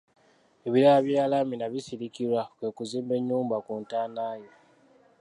Ebirala bye yalaamira Bisirikirwa kwe kuzimba ennyumba ku ntaana ye.